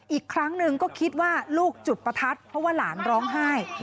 อีกครั้งหนึ่งก็คิดว่าลูกจุดประทัดเพราะว่าหลานร้องไห้